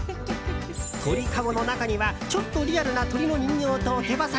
鳥かごの中にはちょっとリアルな鳥の人形と手羽先。